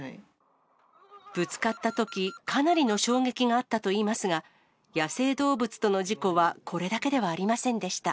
ぶつかったとき、かなりの衝撃があったといいますが、野生動物との事故はこれだけではありませんでした。